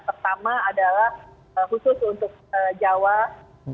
pertama adalah khusus untuk jawa dan bali